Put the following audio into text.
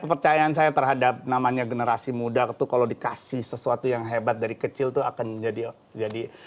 kepercayaan saya terhadap namanya generasi muda itu kalau dikasih sesuatu yang hebat dari kecil tuh akan jadi